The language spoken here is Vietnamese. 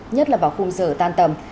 nhất là vào khung giờ tan tầm